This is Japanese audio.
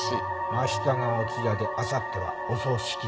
明日がお通夜であさってはお葬式だって。